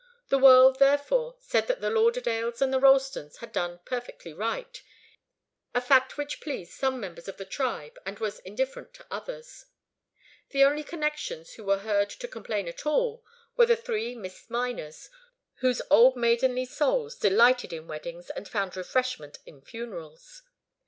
The world, therefore, said that the Lauderdales and the Ralstons had done perfectly right, a fact which pleased some members of the tribe and was indifferent to others. The only connections who were heard to complain at all were the three Miss Miners, whose old maidenly souls delighted in weddings and found refreshment in funerals.